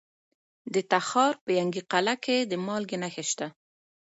د تخار په ینګي قلعه کې د مالګې نښې شته.